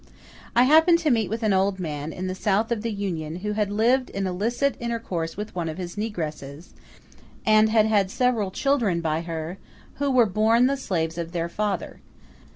I happened to meet with an old man, in the South of the Union, who had lived in illicit intercourse with one of his negresses, and had had several children by her, who were born the slaves of their father.